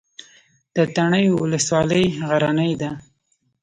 د تڼیو ولسوالۍ غرنۍ ده